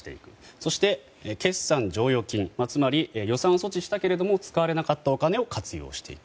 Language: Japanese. そして、決算剰余金つまり、予算措置したけれども使わなかったお金を活用していく。